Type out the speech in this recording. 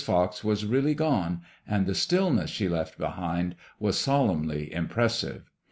Fox was really gone, and the stillness she left behind was solemnly impressive.